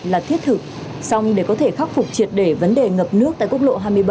là thiết thực xong để có thể khắc phục triệt để vấn đề ngập nước tại quốc lộ hai mươi bảy